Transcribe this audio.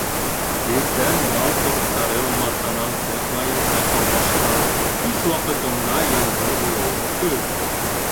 Иртән бал корттары умартанан сыҡмайынса шаулашһа, төш ваҡытында ямғыр булыуын көт.